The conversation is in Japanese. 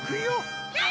はい！